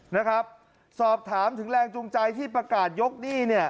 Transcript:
นะครับสอบถามถึงแรงจูงใจที่ประกาศยกหนี้เนี่ย